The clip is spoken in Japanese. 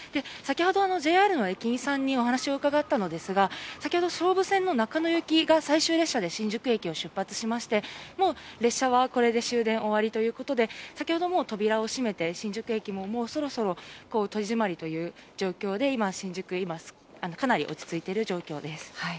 先ほど、ＪＲの駅員さんにお話を伺ったのですが総武線の中野行きが最終列車で新宿駅を出発しましてもう、列車はこれで終電ということで先ほど、扉を閉じて、新宿駅も戸締まりという状況で今、新宿はかなり落ち着いている状況です。